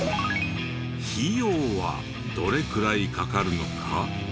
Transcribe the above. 費用はどれくらいかかるのか？